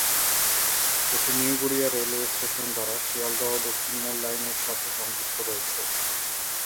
এটি new Garia railway station দ্বারা শিয়ালদহ দক্ষিণ মূল লাইন এর সাথে সংযুক্ত রয়েছে।